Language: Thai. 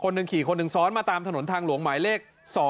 หนึ่งขี่คนหนึ่งซ้อนมาตามถนนทางหลวงหมายเลข๒